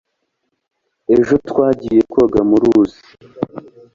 ejo twagiye koga mu ruzi